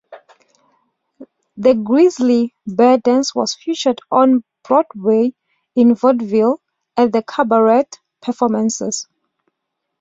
The Grizzly Bear dance was featured "on Broadway, in vaudeville, and at cabaret performances".